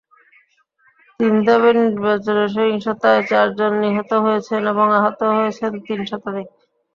তিন ধাপের নির্বাচনে সহিংসতায় চারজন নিহত হয়েছেন এবং আহত হয়েছেন তিন শতাধিক।